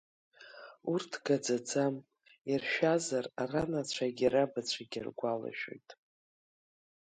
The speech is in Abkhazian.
Урҭ гаӡаӡам, иршәазар, ранацәагьы рабацәагьы ргәалашәоит.